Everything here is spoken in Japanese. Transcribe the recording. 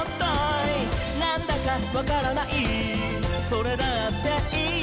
「なんだかわからないそれだっていい」